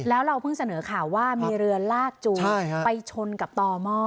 แล้วเราเพิ่งเสนอข่าวว่ามีเรือลากจูงไปชนกับต่อหม้อ